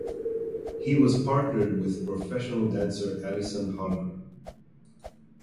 He was partnered with professional dancer Allison Holker.